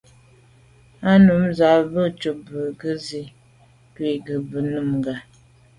Á nǔm rə̂ jû zə̄ à' cûp bí gə́ zî cû vút gí bú Nùngà.